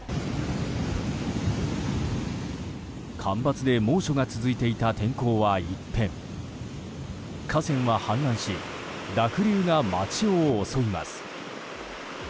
干ばつで猛暑が続いていた天候は一変河川は氾濫し濁流が街を襲います。